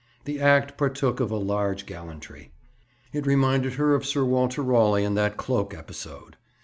The act partook of a large gallantry. It reminded her of Sir Walter Raleigh and that cloak episode.